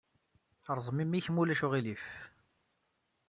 Rẓem imi-nnek, ma ulac aɣilif.